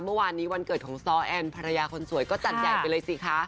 เมื่อวานนี้วันเกิดของซ้อแอนภรรยาคนสวยก็จัดใหญ่ไปเลยสิคะ